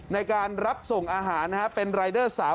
ในการรับส่งอาหารเป็นรายเดอร์สาว